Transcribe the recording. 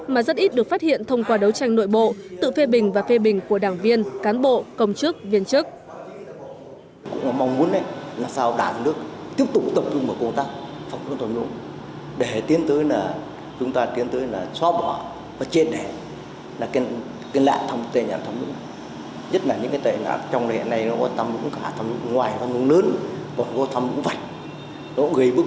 mà rất ít được phát hiện thông qua đấu tranh nội bộ tự phê bình và phê bình của đảng viên cán bộ công chức viên chức